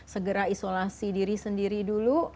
segera isolasi diri sendiri dulu